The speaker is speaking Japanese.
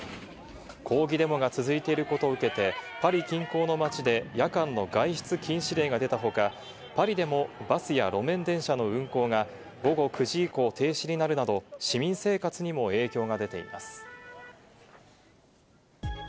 抗議デモが続いていることを受けて、パリ近郊の街で夜間の外出禁止令が出た他、パリでもバスや路面電車の運行が午後９時以降停止になるなど、市民生活にも影響が出ています。